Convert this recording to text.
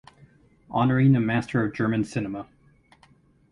Honoring a master of German cinema.